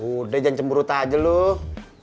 udah jangan cemburu tajeluh